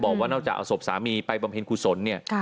บอกว่านอกจากเอาศพสามีไปบำเพ็ญกุศลเนี่ย